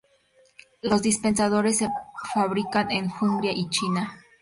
Los dispensadores se fabrican en Hungría y China.